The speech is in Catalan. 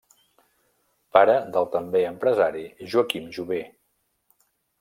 Pare del també empresari Joaquim Jover.